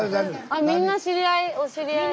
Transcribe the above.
あみんな知り合いお知り合いだ。